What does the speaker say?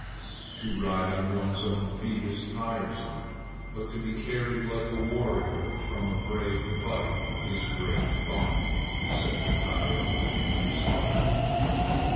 "To ride on one's own feet is tiresome, but to be carried like a warrior from a brave fight is great fun!" said the coyote in his heart.